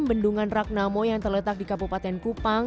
bendungan ragnamo yang terletak di kabupaten kupang